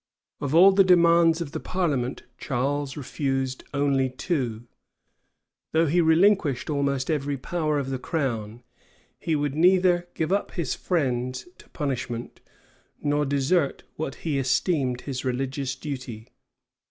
Of all the demands of the parliament, Charles refused only two. Though he relinquished almost every power of the crown, he would neither give up his friends to punishment, nor desert what he esteemed his religious duty.